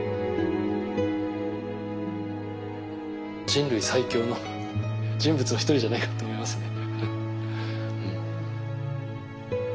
人類最強の人物の一人じゃないかと思いますね。